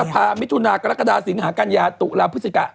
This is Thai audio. ภษภาคมมิถุนาคและกรกฎาสินหาการยาตุหราภูิสิกะ